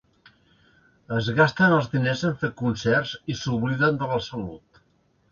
Es gasten els diners en fer concerts i s'obliden de la salut.